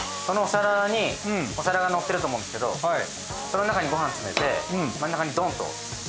そのお皿にお皿がのってると思うんですけどその中にごはん詰めて真ん中にドンと。